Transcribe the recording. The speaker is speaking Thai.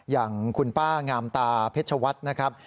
อย่างคุณป้างามตาเพชรนะครับ